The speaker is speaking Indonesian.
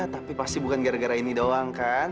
tapi pasti bukan gara gara ini doang kan